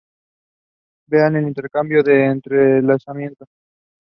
Vea Intercambio de entrelazamiento.